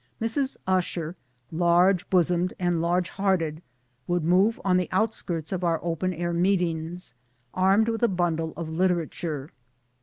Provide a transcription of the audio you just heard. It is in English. Mrs. Usher, large bosomed and large hearted, would move on the out skirts of our open air meetings, armed with a bundle of literature.